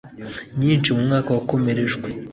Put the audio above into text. nyinshi mu mwaka wa yakomerekejwe